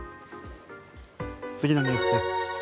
次のニュースです。